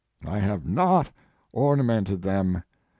I have not ornamented them.